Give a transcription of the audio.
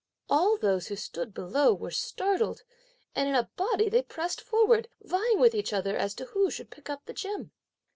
All those, who stood below, were startled; and in a body they pressed forward, vying with each other as to who should pick up the gem.